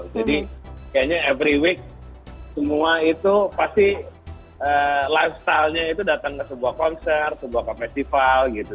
jadi kayaknya setiap minggu semua itu pasti lifestyle nya itu datang ke sebuah konser sebuah festival gitu